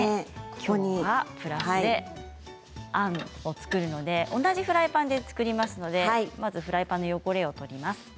ここにプラスであんを作るので同じフライパンで作りますのでまずフライパンの汚れを取ります。